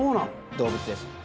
動物です。